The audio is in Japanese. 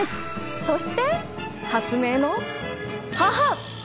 そして発明の母！